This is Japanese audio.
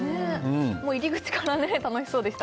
もう入り口から楽しそうでした